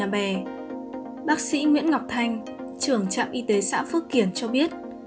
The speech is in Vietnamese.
bác sĩ nguyễn ngọc thanh trưởng trạm y tế xã phước kiển cho biết